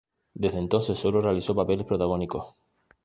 Desde entonces sólo realizó papeles protagónicos.